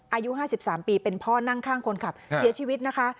อายุ๕๓ปีเป็นพ่อนั่งข้างคนขับเสียชีวิตนะคะ